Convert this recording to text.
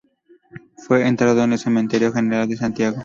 Fue enterrado en el Cementerio General de Santiago.